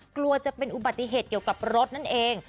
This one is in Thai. กลัวจะเป็นอุบัติเหตุเกี่ยวกับรถนั่นเอง